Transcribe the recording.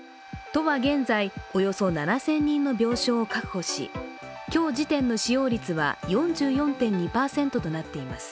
都は現在、およそ７０００人の病床を確保し今日時点の使用率は、４４．２％となっています。